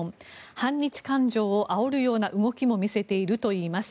反日感情をあおるような動きも見せているということです。